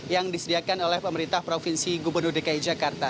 yang disediakan oleh pemerintah provinsi gubernur dki jakarta